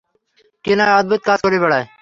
কিনাই অদ্ভূত কাজ করে বেড়ায়।